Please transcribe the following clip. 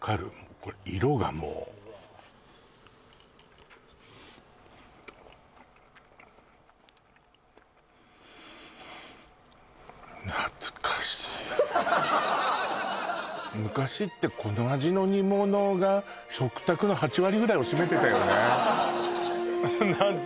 これ色がもう昔ってこの味の煮物が食卓の８割ぐらいを占めてたよね